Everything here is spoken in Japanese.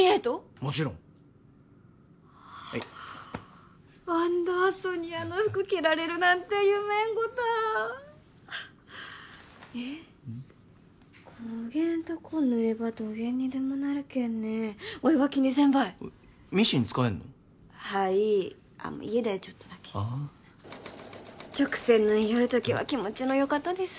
もちろんはいアンダーソニアの服着られるなんて夢んごたえっこげんとこ縫えばどげんにでもなるけんねおいは気にせんばいミシン使えんの？はいい家でちょっとだけああ直線縫いよる時は気持ちのよかとです